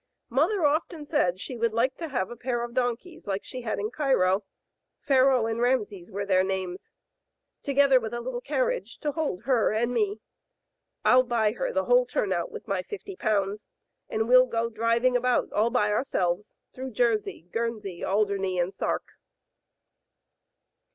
Mother often said she would like to have a pair of donkeys like she had in Cairo. Tharaoh* and *Rameses* were their names, together with a little carriage to hold her and me. FH buy her the whole turnout with my ;^50, and we'll go driving about all by ourselves through Jersey, Guernsey, Alderney, and Sark."